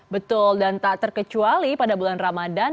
betul dan tak terkecuali pada bulan ramadan